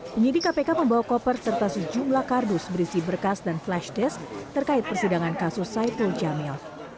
penyidik kpk membawa koper serta sejumlah kardus berisi berkas dan flash disk terkait persidangan kasus saiful jamil